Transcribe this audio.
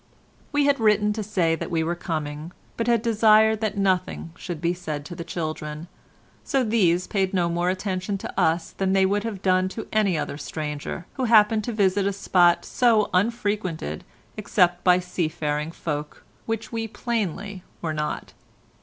We had written to say that we were coming, but had desired that nothing should be said to the children, so these paid no more attention to us than they would have done to any other stranger, who happened to visit a spot so unfrequented except by sea faring folk, which we plainly were not.